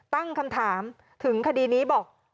ตั้งคำถามถึงคดีนี้บอก